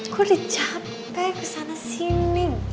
gue udah capek kesana sini